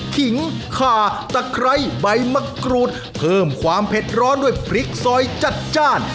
ขิงขาตะไคร้ใบมะกรูดเพิ่มความเผ็ดร้อนด้วยพริกซอยจัดจ้าน